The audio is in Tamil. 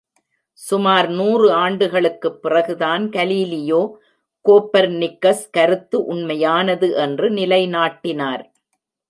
சுமார் நூறு ஆண்டுகளுக்குப் பிறகுதான் கலீலியோ, கோப்பர் நிக்கஸ் கருத்து உண்மையானது என்று நிலைநாட்டினார்.